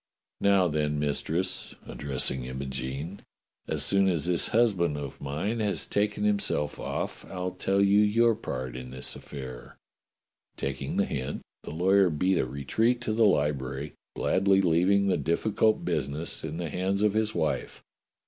Now, then. Mistress," addressing Imogene, "as soon as this husband of mine has taken himself off, I'll tell you your part in this affair." Taking the hint, the lawyer beat a retreat to the library, gladly leaving the difficult business in the hands of his wife.